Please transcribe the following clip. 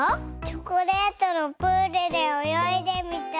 チョコレートのプールでおよいでみたい。